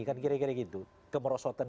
kira kira gitu kemerosotan